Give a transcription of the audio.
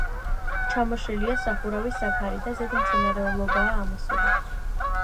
ჩამოშლილია სახურავის საფარი და ზედ მცენარეულობაა ამოსული.